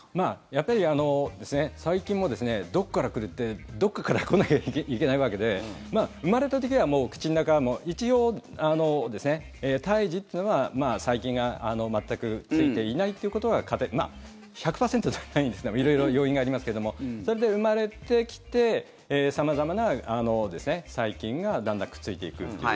やっぱり細菌もどこから来るってどこかから来なきゃいけないわけで生まれた時はもう口の中は一応、胎児というのは細菌が全くついていないということがまあ１００％ではないんですが色々要因がありますけどもそれで生まれてきて様々な細菌がだんだんくっついていくという。